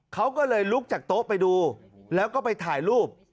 เขาก็เลยลุกจากโต๊ะไปดูแล้วก็ไปถ่ายรูป